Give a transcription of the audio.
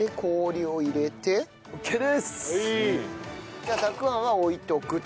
じゃあたくあんは置いとくと。